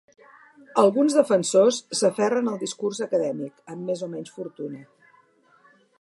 Alguns defensors s'aferren al discurs acadèmic, amb més o menys fortuna.